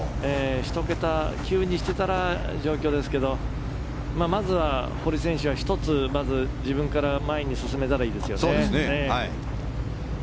１桁、９にしてたらという状況ですけどまずは堀選手は１つ、自分から前に進めたらいいですよね。